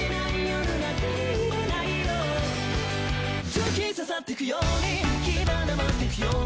「突き刺さってくように火花舞ってくように」